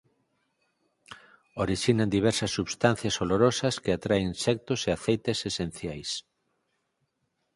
Orixinan diversas substancias olorosas que atraen insectos e aceites esenciais.